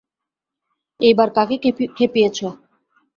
এইবার কাকে খেপিয়েছো?